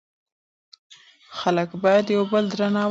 خلک باید یو بل درناوی کړي.